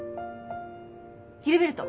ギルベルト。